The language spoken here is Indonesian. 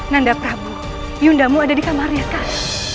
nanda prabu yundamu ada di kamarnya kak